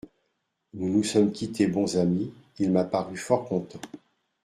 Nous nous sommes quittés bons amis, il m'a paru fort content.